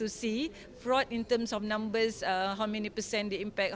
oleh manajemen perusahaan untuk memitigasikan